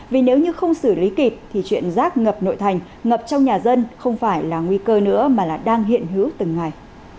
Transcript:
vì nếu như không xử lý kịp thì chuyện rác ngập nội thành ngập trong nhà dân không phải là nguy cơ nữa mà là đang hiện hữu từng ngày